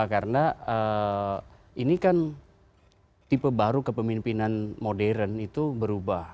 karena ini kan tipe baru kepemimpinan modern itu berubah